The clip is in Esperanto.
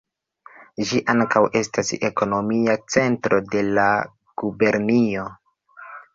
Ĝi ankaŭ estas ekonomia centro de la gubernio.